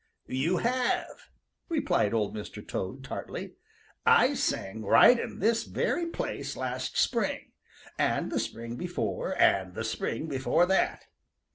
"You have," replied Old Mr. Toad tartly. "I sang right in this very place last spring, and the spring before, and the spring before that.